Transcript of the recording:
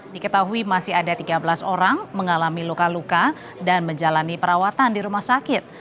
diketahui masih ada tiga belas orang mengalami luka luka dan menjalani perawatan di rumah sakit